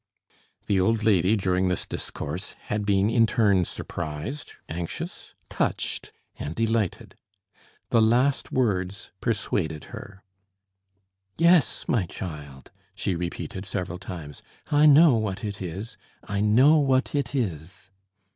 The old lady, during this discourse, had been in turn surprised, anxious, touched, and delighted. The last words persuaded her. "Yes, my child," she repeated several times, "I know what it is, I know what it is."